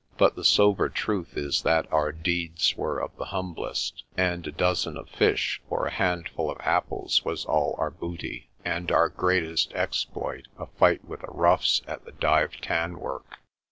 But the sober truth is that our deeds were of the humblest, and a dozen of fish or a handful of apples was all our booty, and our greatest exploit a fight with the roughs at the Dyve tan work.